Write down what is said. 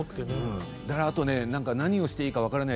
何をしていいか分からない